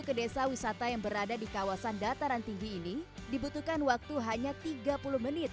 ke desa wisata yang berada di kawasan dataran tinggi ini dibutuhkan waktu hanya tiga puluh menit